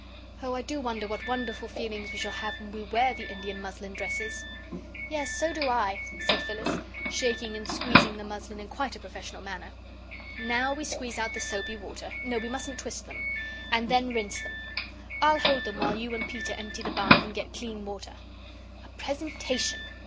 "Oh, I do wonder what wonderful feelings we shall have when we WEAR the Indian muslin dresses!" "Yes, so do I," said Phyllis, shaking and squeezing the muslin in quite a professional manner. "NOW we squeeze out the soapy water. NO we mustn't twist them and then rinse them. I'll hold them while you and Peter empty the bath and get clean water." "A presentation!